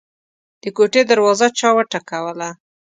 د کوټې دروازه چا وټکوله.